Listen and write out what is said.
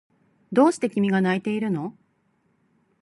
どうして君が泣いているの？